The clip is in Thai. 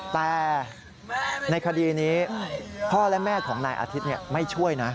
แต่ในคดีนี้พ่อและแม่ของนายอาทิตย์ไม่ช่วยนะ